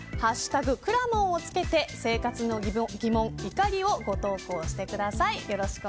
くらもんをつけて生活の疑問、怒りをご投稿してください。